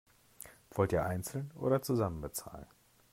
Wollt ihr einzeln oder zusammen bezahlen?